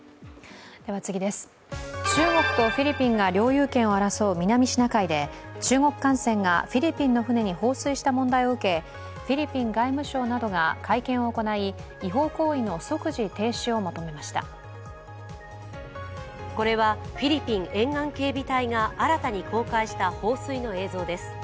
中国とフィリピンが領有権を争う南シナ海で中国艦船がフィリピンの船に放水した問題を受けフィリピン外務省などが会見を行い、これはフィリピン沿岸警備隊が新たに公開した放水の映像です。